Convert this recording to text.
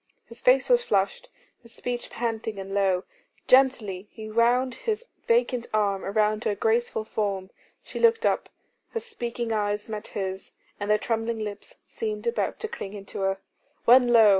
His face was flushed, his speech panting and low. Gently he wound his vacant arm round her graceful form; she looked up, her speaking eyes met his, and their trembling lips seemed about to cling into a When lo!